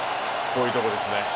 こういうとこですね。